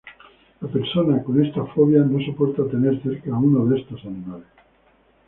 La persona con esta fobia no soporta tener cerca a uno de estos animales.